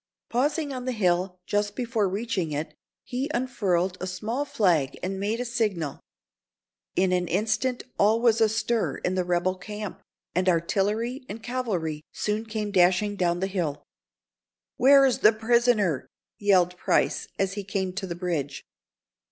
Pausing on the hill just before reaching it, he unfurled a small flag and made a signal. In an instant all was astir in the rebel camp, and artillery and cavalry soon came dashing down the hill. "Where is the prisoner?" yelled Price, as he came to the bridge.